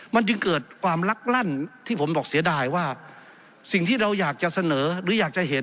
มันจึงเกิดความลักลั่นที่ผมบอกเสียดายว่าสิ่งที่เราอยากจะเสนอหรืออยากจะเห็น